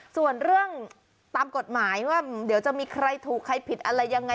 ส่วนเรื่องตามกฎหมายว่าเดี๋ยวจะมีใครถูกใครผิดอะไรยังไง